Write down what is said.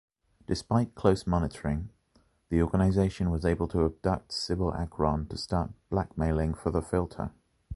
Despite close monitoring, the organization was able to abduct Sybille Akron to start blackmailing for the filter.